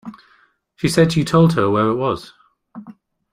She said you told her where it was.